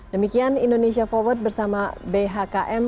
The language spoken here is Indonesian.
demikian indonesia forward bersama bhkm